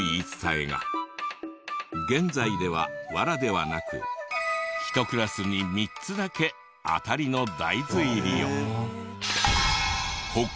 現在では藁ではなく１クラスに３つだけ当たりの大豆入りを。